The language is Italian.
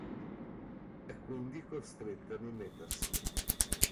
È quindi costretta a dimettersi.